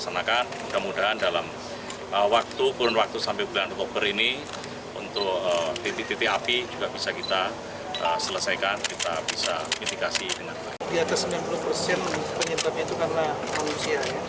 saya sudah mengobatkan kepada jajaran muda seluruh indonesia untuk melakukan penyegaran tugas